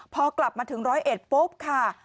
พอกลับมาถึง๑๐๑ปุ๊บค่ะ